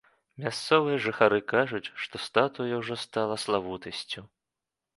Мясцовыя жыхары кажуць, што статуя ўжо стала славутасцю.